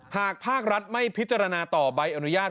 หากภาครัฐไม่พิจารณาต่อใบอนุญาต